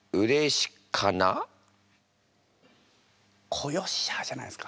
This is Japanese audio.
「子よっしゃあ」じゃないですか？